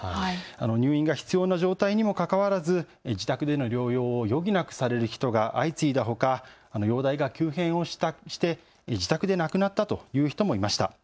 入院が必要な状態にもかかわらず自宅での療養を余儀なくされる人が相次いだほか容体が急変をして自宅で亡くなったという人もいました。